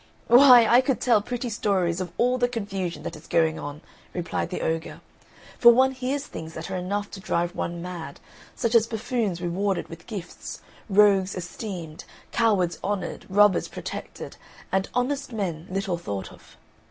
"Why I could tell pretty stories of all the confusion that is going on," replied the ogre, "for one hears things that are enough to drive one mad, such as buffoons rewarded with gifts, rogues esteemed, cowards honoured, robbers protected, and honest men little thought of.